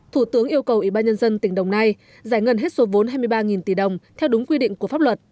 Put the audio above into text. thủ tướng yêu cầu ủy ban nhân dân tỉnh đồng nai giải ngân hết số vốn hai mươi ba tỷ đồng theo đúng quy định của pháp luật